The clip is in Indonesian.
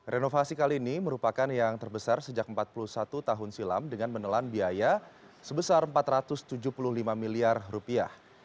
renovasi kali ini merupakan yang terbesar sejak empat puluh satu tahun silam dengan menelan biaya sebesar empat ratus tujuh puluh lima miliar rupiah